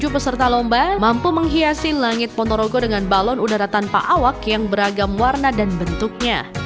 tujuh peserta lomba mampu menghiasi langit ponorogo dengan balon udara tanpa awak yang beragam warna dan bentuknya